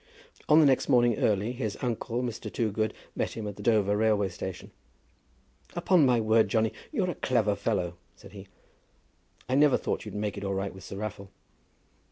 On the next morning early his uncle, Mr. Toogood, met him at the Dover Railway Station. "Upon my word, Johnny, you're a clever fellow," said he. "I never thought that you'd make it all right with Sir Raffle."